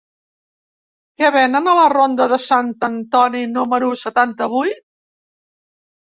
Què venen a la ronda de Sant Antoni número setanta-vuit?